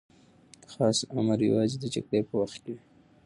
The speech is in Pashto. خاص امر یوازې د جګړې په وخت کي وي.